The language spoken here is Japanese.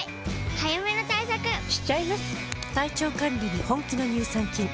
早めの対策しちゃいます。